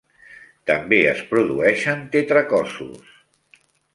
També es produeixen "tetracossos".